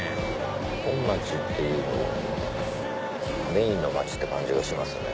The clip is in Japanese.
本町っていうとメインの街って感じがしますね。